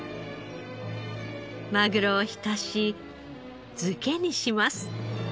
マグロを浸し漬けにします。